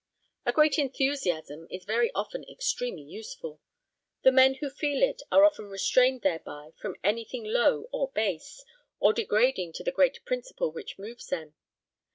A great enthusiasm is very often extremely useful. The men who feel it are often restrained thereby from anything low or base, or degrading to the great principle which moves them.